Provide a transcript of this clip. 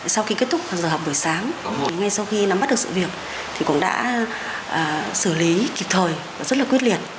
sau khi kết thúc vào giờ học buổi sáng ngay sau khi nắm bắt được sự việc thì cũng đã xử lý kịp thời rất là quyết liệt